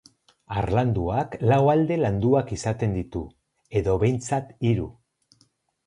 Harlanduak lau alde landuak izaten ditu, edo behintzat hiru.